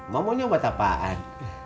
mak maunya buat apaan